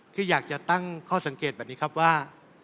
ที่อยากจะตั้งข้อสังเกตแบบนี้ครับว่า